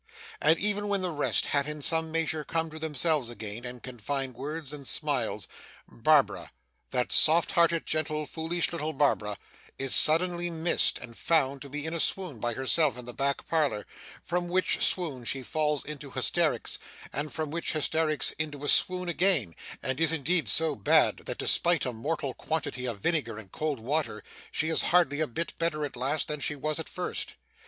And even when the rest have in some measure come to themselves again, and can find words and smiles, Barbara that soft hearted, gentle, foolish little Barbara is suddenly missed, and found to be in a swoon by herself in the back parlour, from which swoon she falls into hysterics, and from which hysterics into a swoon again, and is, indeed, so bad, that despite a mortal quantity of vinegar and cold water she is hardly a bit better at last than she was at first.